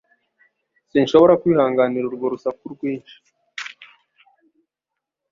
Sinshobora kwihanganira urwo rusaku rwinshi.